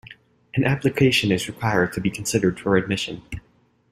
An application is required to be considered for admission.